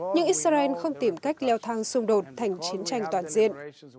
nhưng israel không tìm cách leo thang xung đột thành chiến tranh toàn diện